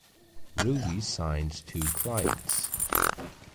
Rudy signs two clients.